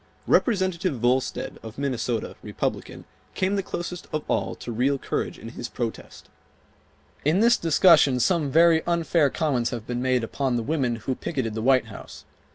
Representative Volstead, of Minnesota, Republican, came the closest of all to real courage in his protest:— "In this discussion some very unfair comments have been made upon the women who picketed the White House.